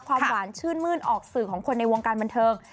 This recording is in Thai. ความหวานชื่นมื้นออกสื่อของคนในวงการบันเทิง